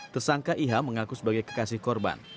tersangka iha mengaku sebagai kekasih korban